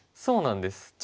そうなんです。